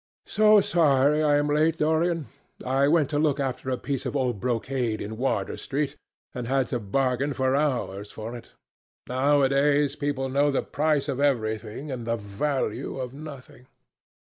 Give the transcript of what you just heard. "So sorry I am late, Dorian. I went to look after a piece of old brocade in Wardour Street and had to bargain for hours for it. Nowadays people know the price of everything and the value of nothing."